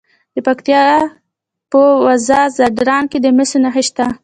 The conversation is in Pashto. د پکتیا په وزه ځدراڼ کې د مسو نښې شته.